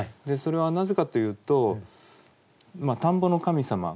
それはなぜかというと田んぼの神様